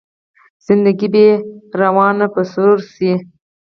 زنده ګي به يې روانه په سرور شي